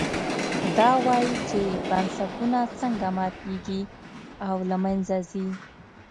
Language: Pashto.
دا وایي چې بنسټونه څنګه ماتېږي او له منځه ځي.